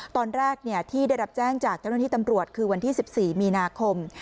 ตอนแรกที่ได้รับแจ้งจากเจ้าหน้าที่ตำรวจคือวันที่๑๔มีนาคม